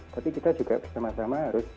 tapi kita juga bersama sama harus